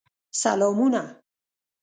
سلامونه.